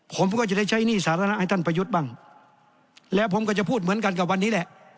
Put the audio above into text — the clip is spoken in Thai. ผมก็จะได้ใช้หนี้สาธารณะให้ท่านประยุทธ์บ้างแล้วผมก็จะพูดเหมือนกันกับวันนี้แหละ